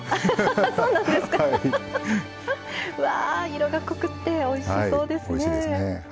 うわ色が濃くっておいしそうですね。